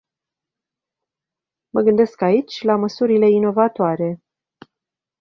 Mă gândesc aici la măsurile inovatoare.